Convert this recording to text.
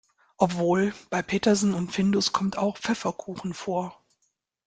Obwohl, bei Petersen und Findus kommt auch Pfefferkuchen vor.